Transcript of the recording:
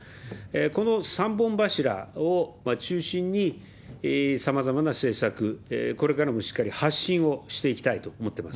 この３本柱を中心に、さまざまな政策、これからもしっかり発信をしていきたいと思ってます。